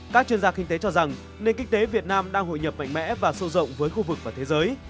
các chuyên gia kinh tế cho rằng nền kinh tế việt nam đang hội nhập mạnh mẽ và sâu rộng với khu vực và thế giới